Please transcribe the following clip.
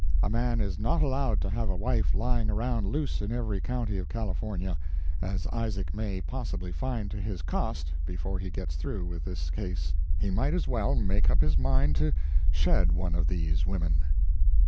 A man is not allowed to have a wife lying around loose in every county of California, as Isaac may possibly find to his cost before he gets through with this case. He might as well make up his mind to shed one of these women.